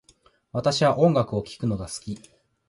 私は音楽を聴くのが好き